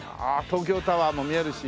東京タワーも見えるし。